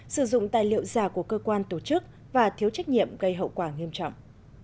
sử dụng tài liệu giả của cơ quan tổ chức và thiếu trách nhiệm gây hậu quả nghiêm trọng